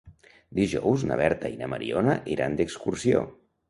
Dijous na Berta i na Mariona iran d'excursió.